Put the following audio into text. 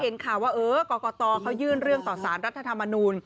ข่าวว่าเออกรกตเขายื่นเรื่องต่อสารรัฐธรรมนูล